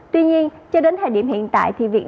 tuy nhiên cho đến thời điểm hiện tại